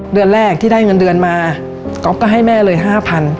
เดือนแรกที่ได้เงินเดือนมาก๊อฟก็ให้แม่เลย๕๐๐